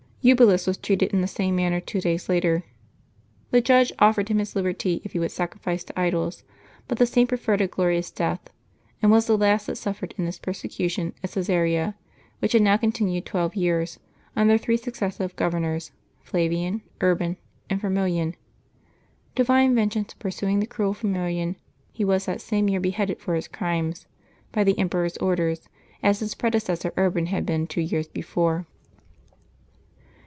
Eubulus was treated in the same manner two days later. The judge offered him his liberty if he would sacrifice to idols; but the Saint preferred a glorious death, and was the last that suffered in this perse cution at Caesarea, which had now continued twelve years, under three successive governors, Flavian, Urban, and Fir milian. Divine vengeance pursuing the cruel Firmilian, he was that same year beheaded for his crimes, by the emperor's order, as his predecessor Urban had been two years before.